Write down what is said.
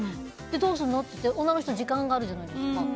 どうすんの？って言って女の人は時間があるじゃないですか。